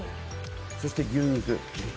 そして、牛肉。